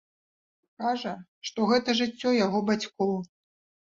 Кажа, што гэта жыццё яго бацькоў.